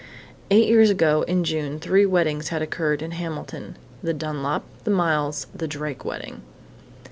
_ Eight years ago in June three weddings had occurred in Hamilton! The Dunlap, the Miles, the Drake wedding.